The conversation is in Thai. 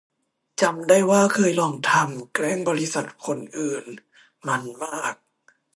จำได้ว่าเคยลองทำ แกล้งบริษัทคนอื่น มันส์มาก